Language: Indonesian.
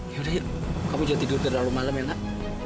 yaudah yuk kamu jangan tidur terlalu malam ya nak